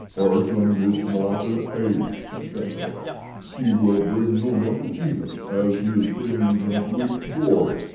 "Tarzan is not an ape," said Gunto. "He will bring Numa to eat us, as he is bringing him to eat Goro.